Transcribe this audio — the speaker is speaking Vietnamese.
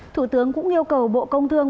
thủ tướng cũng yêu cầu bộ công thương